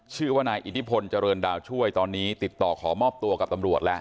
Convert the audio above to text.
ชื่อว่านายอิทธิพลเจริญดาวช่วยตอนนี้ติดต่อขอมอบตัวกับตำรวจแล้ว